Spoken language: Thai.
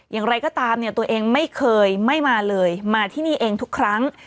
อย่างไรก็ตามเนี่ยตัวเองไม่เคยไม่มาเลยมาที่นี่เองทุกครั้ง